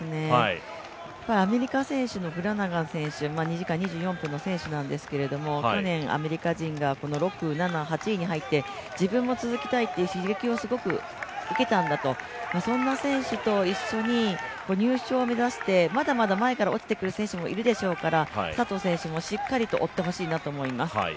アメリカ選手のフラナガン選手、２時間２４分の選手なんですけど去年、アメリカ人の選手がこの６、７、８位になって自分も続きたいという刺激を受けたんだとそんな選手と一緒に入賞を目指して前から落ちてくる選手もいるでしょうから、佐藤選手もしっかり追ってほしいなと思います。